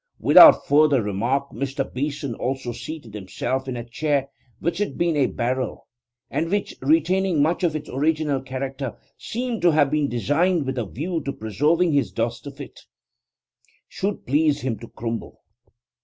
Without further remark Mr. Beeson also seated himself in a chair which had been a barrel, and which, retaining much of its original character, seemed to have been designed with a view to preserving his dust if it should please him to crumble.